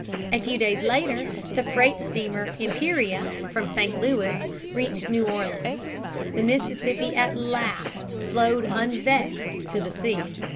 A few days later the freight steamer Imperial from St. Louis reached New Orleans. The Mississippi at last "flowed unvexed to the sea."